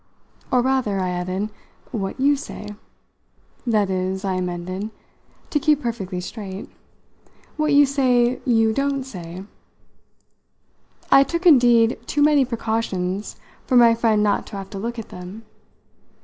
Or rather," I added, "what you say. That is," I amended, to keep perfectly straight, "what you say you don't say." I took indeed too many precautions for my friend not to have to look at them.